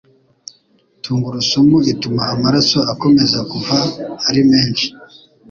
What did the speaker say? tungurusumu ituma amaraso akomeza kuva ari menshi